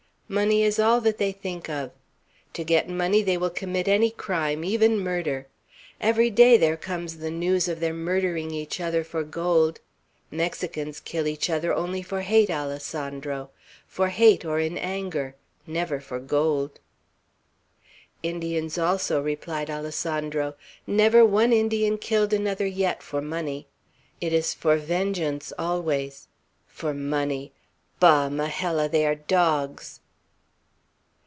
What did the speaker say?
Money is all that they think of. To get money, they will commit any crime, even murder. Every day there comes the news of their murdering each other for gold. Mexicans kill each other only for hate, Alessandro, for hate, or in anger; never for gold." "Indians, also," replied Alessandro. "Never one Indian killed another, yet, for money. It is for vengeance, always. For money! Bah! Majella, they are dogs!"